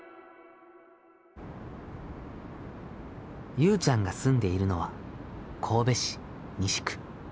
ゆうちゃんが住んでいるのは神戸市西区。